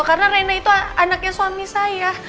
karena reina itu anaknya suami saya